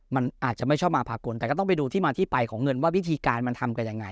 มันอาจจะไม่ชอบมาพากลแต่ก็ต้องไปดูที่มาที่ไปของเงินว่าวิธีการมันทำกันยังไง